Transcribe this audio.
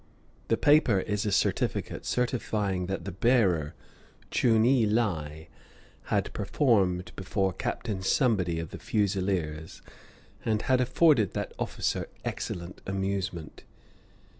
The paper is a certificate, certifying that the bearer, Chunee Lai, had performed before Captain Somebody of the Fusileers, and had afforded that officer excellent amusement.